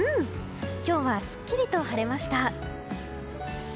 今日はすっきりと晴れました。